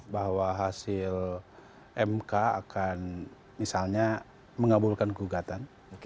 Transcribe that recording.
bahwa hasil mk akan misalnya mengabulkan gugatan